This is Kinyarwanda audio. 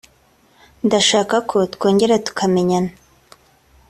ndashaka ko twongera tukamenyana